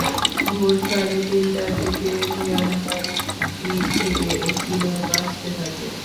ভোর সাড়ে তিনটার দিকে মিয়ানমারের দিক থেকে একটি নৌকা আসতে থাকে।